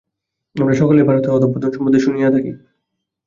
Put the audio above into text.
আমরা সকলেই ভারতের অধঃপতন সম্বন্ধে শুনিয়া থাকি।